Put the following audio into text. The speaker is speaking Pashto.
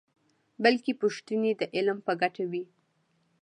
بلکې پوښتنې د علم په ګټه وي.